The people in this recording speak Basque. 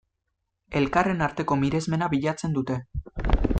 Elkarren arteko miresmena bilatzen dute.